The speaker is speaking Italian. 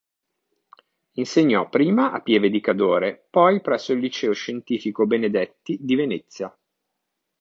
Insegnò prima a Pieve di Cadore poi presso il Liceo Scientifico "Benedetti" di Venezia.